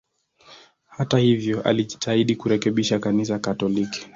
Hata hivyo, alijitahidi kurekebisha Kanisa Katoliki.